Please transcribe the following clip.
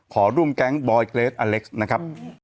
ขอร่วมแก๊งบอยเกรสอเล็กซ์นะครับ